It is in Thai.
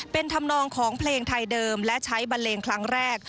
เป็นธรรมนองของเพลงไทยเดิมและใช้บันเลงครั้งแรก